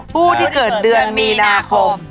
ผู้ที่เกิดเดือนมีนาคม